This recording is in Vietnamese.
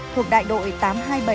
thuộc đại đội tám trăm hai mươi bảy